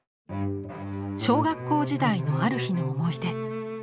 小学校時代のある日の思い出。